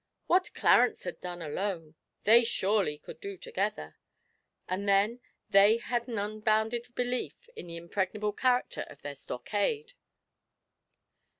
What Clarence had done alone they surely could do together, and then they had an unbounded belief in the impregnable character of their stockade.